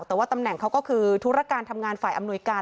แต่ว่าตำแหน่งเขาก็คือธุรการทำงานฝ่ายอำนวยการ